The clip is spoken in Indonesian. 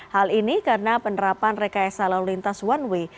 hal ini karena penerapan rekayasa lalu lintas one way